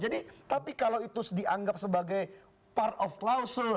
jadi tapi kalau itu dianggap sebagai part of klausul